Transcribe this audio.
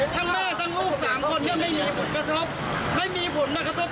ทั้งแม่ทั้งลูก๓คนยังไม่มีผลกระทบ